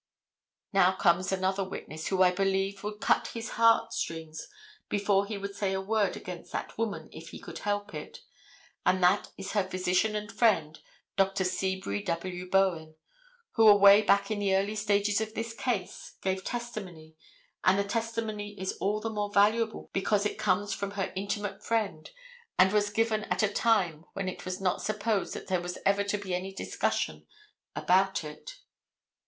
Now comes another witness, who I believe would cut his heart strings before he would say a word against that woman if he could help it, and that is her physician and friend, Dr. Seabury W. Bowen, who away back in the early stages of this case gave testimony, and the testimony is all the more valuable because it comes from her intimate friend, and was given at a time when it was not supposed there was ever to be any discussion about it.